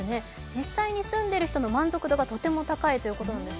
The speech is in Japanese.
実際に住んでいる人の満足度がとても高いということなんです。